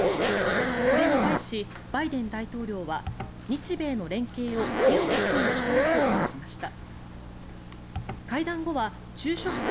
これに対し、バイデン大統領は日米の連携を議論していきたいと応じました。